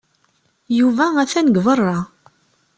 Yuba atan deg beṛṛa.